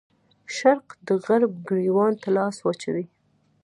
شرق د غرب ګرېوان ته لاس واچوي.